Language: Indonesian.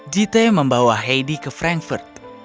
jitte membawa heidi ke frankfurt